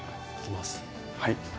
はい。